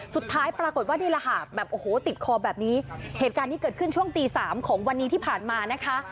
สุดท้ายปรากฏว่านี่แหละค่ะแบบโอ้โหติดคอแบบนี้เหตุการณ์นี้เกิดขึ้นช่วงตีสามของวันนี้ที่ผ่านมานะคะ